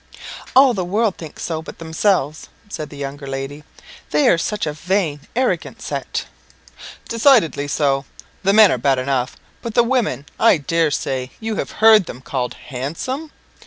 "All the world think so but themselves," said the younger lady; "they are such a vain, arrogant set!" "Decidedly so. The men are bad enough, but the women, I dare say you have heard them called handsome?"